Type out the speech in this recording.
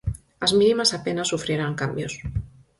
As mínimas apenas sufrirán cambios.